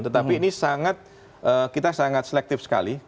tetapi ini sangat kita sangat selektif sekali